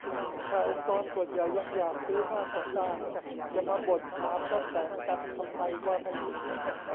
ถ้าองค์กรส่วนใหญ่ยังอยากซื้อมากกว่าสร้าง จะมาบ่นหาพระแสงกันทำไมว่าไม่มี